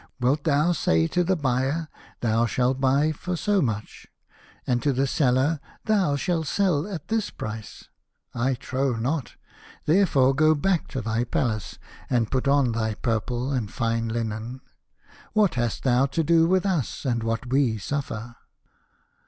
Wilt thou say to the buyer, ' Thou shalt buy for so much,' and to the seller, ' Thou shalt sell at this price ?' I trow not. Therefore go back to thy Palace and put on thy purple and fine linen. What hast thou to do with us, and what we suffer